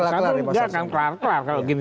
satu gak akan kelar kelar kalau gini